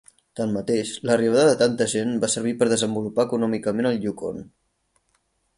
Tanmateix l'arribada de tanta gent va servir per desenvolupar econòmicament el Yukon.